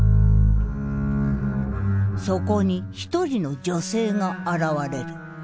そこに一人の女性が現れる。